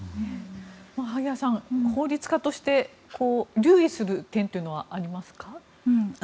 萩谷さん、法律家として留意する点はありますか。